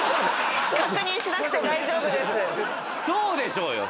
そうでしょうよ